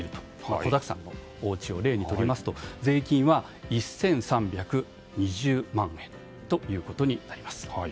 子だくさんのおうちを例にしますと税金は１３２０万円となります。